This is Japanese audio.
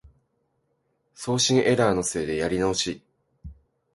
送信エラーのせいでやり直し